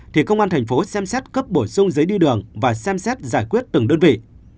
thành phố xem xét cấp bổ sung giấy đi đường và xem xét giải quyết từng đơn vị